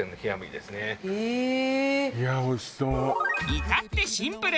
いたってシンプル！